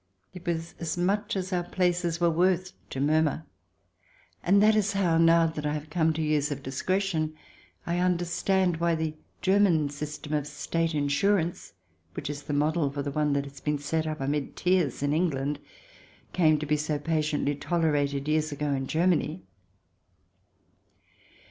It was as much as our places were worth to murmur, and that is how, now that I have come to years of discretion, I understand why the German system of State Insurance, which is the 6 THE DESIRABLE ALIEN [ch. i model for the one that has been set up, amid tears, in England, came to be so patiently tolerated, years ago, in Germany.